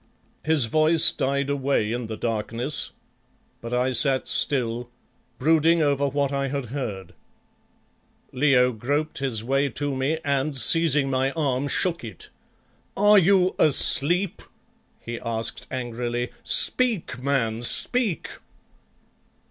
His voice died away in the darkness, but I sat still, brooding over what I had heard. Leo groped his way to me and, seizing my arm, shook it. "Are you asleep?" he asked angrily. "Speak, man, speak!"